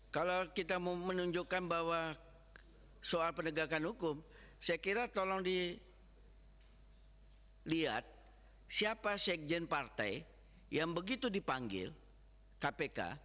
kalau kita mau menunjukkan bahwa soal penegakan hukum saya kira tolong dilihat siapa sekjen partai yang begitu dipanggil kpk